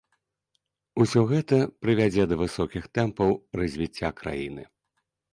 Усё гэта прывядзе да высокіх тэмпаў развіцця краіны.